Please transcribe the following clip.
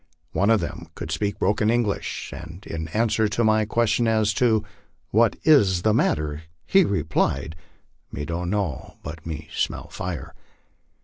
One of them could speak broken English, and in answer to my question as to "What is the matter?" he replied, "Me don't know, but me smell fire."